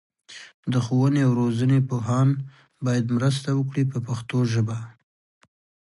د ښوونې او روزنې پوهان باید مرسته وکړي په پښتو ژبه.